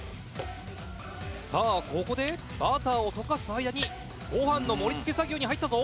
「さあここでバターを溶かす間にご飯の盛り付け作業に入ったぞ」